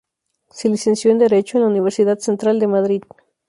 Se licenció en Derecho en la Universidad Central de Madrid.